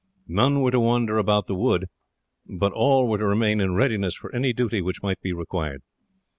None were to wander about the wood, but all were to remain in readiness for any duty which might be required.